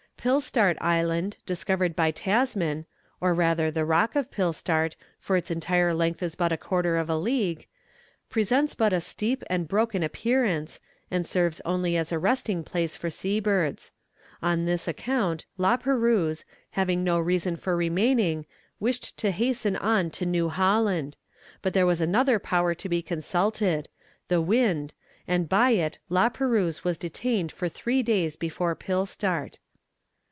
Pilstaart Island, discovered by Tasman or rather, the rock of Pilstaart, for its entire length is but a quarter of a league presents but a steep and broken appearance, and serves only as a resting place for sea birds. On this account La Perouse, having no reason for remaining, wished to hasten on to New Holland; but there was another power to be consulted the wind, and by it La Perouse was detained for three days before Pilstaart.